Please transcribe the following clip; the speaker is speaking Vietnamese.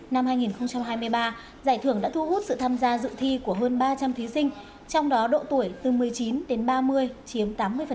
năm hai nghìn hai mươi ba giải thưởng đã thu hút sự tham gia dự thi của hơn ba trăm linh thí sinh trong đó độ tuổi từ một mươi chín đến ba mươi chiếm tám mươi